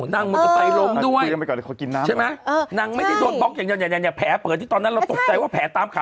นางมันจะใส่ล้มด้วยเออเออนางไม่ได้โดนบ็อกอย่างเดียวอย่างอย่างอย่างแผลเปิดที่ตอนนั้นเราตกใจว่าแผลตามขา